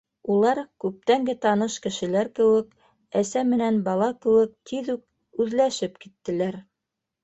Улар, күптәнге таныш кешеләр кеүек, әсә менән бала кеүек тиҙ үк үҙләшеп киттеләр.